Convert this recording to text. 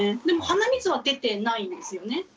でも鼻水は出てないんですよね。